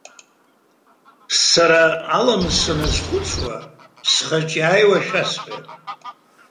Сара аламыс саназхәыцуа, схаҿы иааиуа шәасҳәап?